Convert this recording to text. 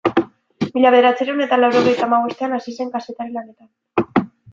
Mila bederatziehun eta laurogeita hamabostean hasi zen kazetari lanetan.